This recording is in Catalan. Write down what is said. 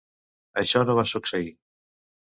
Això no va succeir.